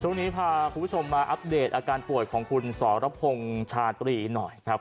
ช่วงนี้พาคุณผู้ชมมาอัปเดตอาการป่วยของคุณสรพงศ์ชาตรีหน่อยครับ